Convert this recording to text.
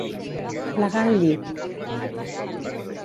Plegar el llit.